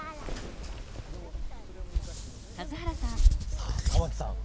さあ玉木さん